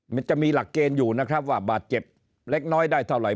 มันจะมีหลักเกณฑ์อยู่นะครับว่าบาดเจ็บเล็กน้อยได้เท่าไหร